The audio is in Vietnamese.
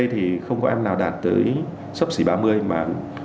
thì không có em nào đạt tới sắp xỉ ba mươi mà hai mươi chín bảy mươi năm